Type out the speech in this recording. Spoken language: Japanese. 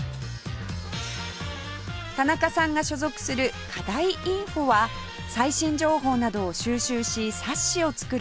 田中さんが所属する鹿大インフォは最新情報などを収集し冊子を作る学生団体